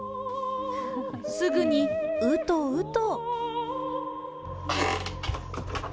すぐにうとうと。